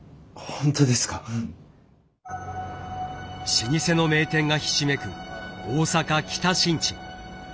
老舗の名店がひしめく大阪・北新地。